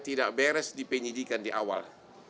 tidak beres dipenyidikan di awal